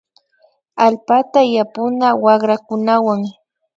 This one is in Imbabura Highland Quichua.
Allpata yapuna wakrakunawan